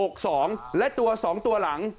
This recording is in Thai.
บ่อทอ๙๖๖๒และตัวสองตัวหลัง